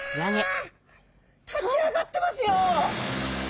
立ち上がってますよ。